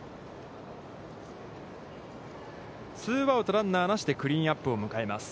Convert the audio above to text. ツーアウト、ランナーなしでクリーンナップを迎えます。